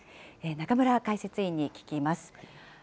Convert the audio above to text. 中村解説委員に聞きます。